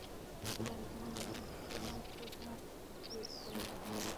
غیرتمند خپل ځان قرباني کوي خو عزت نه